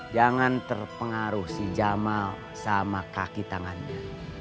jangan terpengaruh si jamal sama kaki tangannya